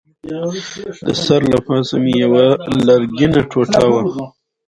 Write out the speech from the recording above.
د سر له پاسه مې یوه لرګینه ټوټه وه.